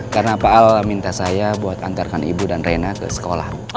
karena pak al minta saya buat antarkan ibu dan reina ke sekolah